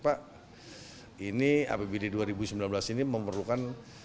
pak ini apbd dua ribu sembilan belas ini memerlukan